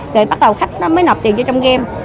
rồi bắt đầu khách nó mới nọp tiền cho trong game